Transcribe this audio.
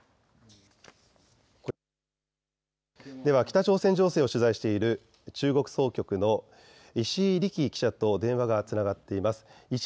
では北朝鮮情勢を取材している中国総局の石井利喜記者と電話がつながっています。